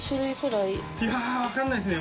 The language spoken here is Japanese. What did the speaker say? いやぁ分からないですね